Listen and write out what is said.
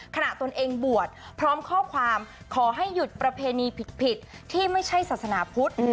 ตนเองบวชพร้อมข้อความขอให้หยุดประเพณีผิดที่ไม่ใช่ศาสนาพุทธ